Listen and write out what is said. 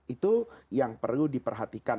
itu yang perlu diperhatikan